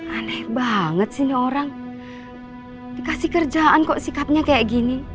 aneh banget sih ini orang dikasih kerjaan kok sikapnya kayak gini